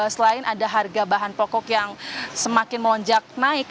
selain ada harga bahan pokok yang semakin melonjak naik